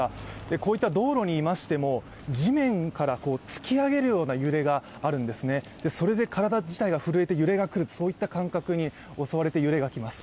こういった道路にいましても、地面から突き上げるような揺れがあるんですね、それで体自体が震えて、そういった感覚に襲われて揺れが来ます。